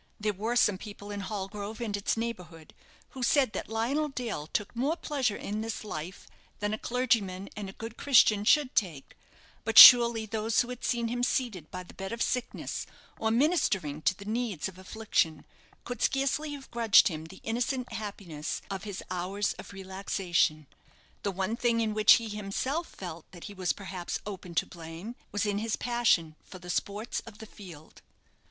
There were some people in Hallgrove and its neighbourhood who said that Lionel Dale took more pleasure in this life than a clergyman and a good Christian should take; but surely those who had seen him seated by the bed of sickness, or ministering to the needs of affliction, could scarcely have grudged him the innocent happiness of his hours of relaxation. The one thing in which he himself felt that he was perhaps open to blame, was in his passion for the sports of the field.